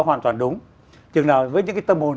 hoàn toàn đúng chừng nào với những cái tâm hồn